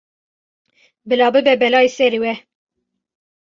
Bila bibe belayê serê we.